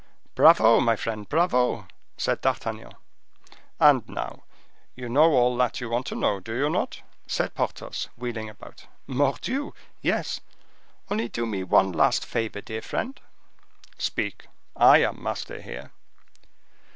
"Bravo! my friend, bravo!" said D'Artagnan. "And now you know all that you want to know, do you not?" said Porthos, wheeling about. "Mordioux! yes, only do me one last favor, dear friend!" "Speak, I am master here."